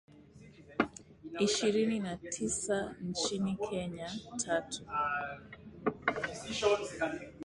ishirini na tisa nchini Kenya, tatu